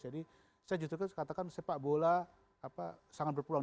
jadi saya juga katakan sepak bola sangat berperuang